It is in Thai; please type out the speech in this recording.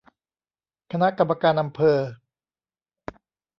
คณะกรรมการอำเภอ